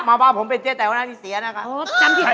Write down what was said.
มาว่าผมเป็นเจ๊แต๊วนะภิเษียณนะครับ